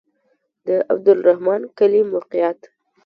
د عبدالرحمن کلی موقعیت